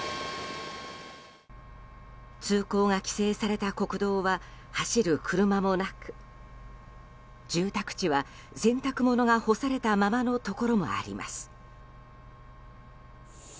通行が規制された国道は走る車もなく住宅地は洗濯物が干されたままのところもあります。